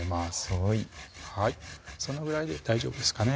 はいそのぐらいで大丈夫ですかね